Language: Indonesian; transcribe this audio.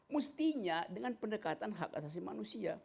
mestinya dengan pendekatan hak asasi manusia